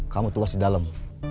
kamu tugas di dalam